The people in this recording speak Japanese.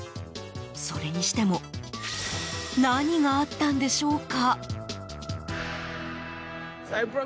それにしても何があったんでしょうか。